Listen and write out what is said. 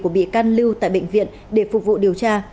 của bị can lưu tại bệnh viện để phục vụ điều tra